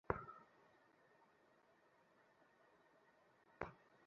আধ্যাত্মিক শক্তি শুদ্ধ প্রেমের মাধ্যমেই সঞ্চারিত করা যাইতে পারে।